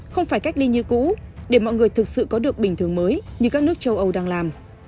không phải cách ly như cũ để mọi người thực sự có được bình thường mới như các nước châu âu đang làm